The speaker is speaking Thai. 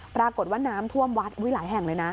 ปรากฏว่าน้ำท่วมวัดอุ้ยหลายแห่งเลยนะ